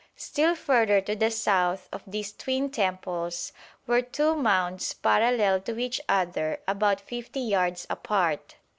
Still further to the south of these twin temples were two mounds parallel to each other about 50 yards apart.